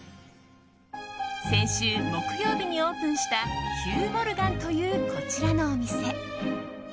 先週木曜日にオープンしたＨｕｇｈＭｏｒｇａｎというこちらのお店。